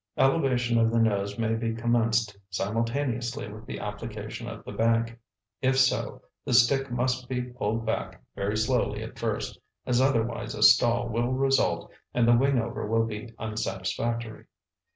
Elevation of the nose may be commenced simultaneously with the application of the bank. If so, the stick must be pulled back very slowly at first, as otherwise a stall will result and the wingover will be unsatisfactory.